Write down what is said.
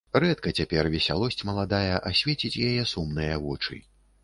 Рэдка цяпер весялосць маладая асвеціць яе сумныя вочы.